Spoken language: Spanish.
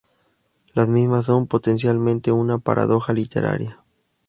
Las mismas son potencialmente una paradoja literaria.